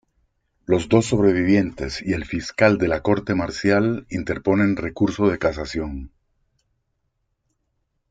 Los dos sobrevivientes y el fiscal de la Corte Marcial interponen recurso de casación.